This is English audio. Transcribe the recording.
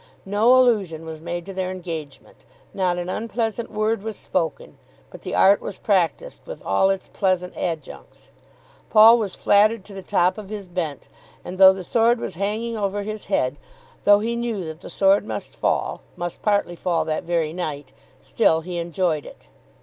No allusion was made to their engagement, not an unpleasant word was spoken; but the art was practised with all its pleasant adjuncts. Paul was flattered to the top of his bent; and, though the sword was hanging over his head, though he knew that the sword must fall, must partly fall that very night, still he enjoyed it.